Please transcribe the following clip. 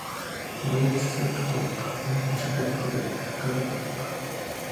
Быйыл цесарка алдыҡ, уның мәшәҡәте күберәк — ҡыҙығыраҡ.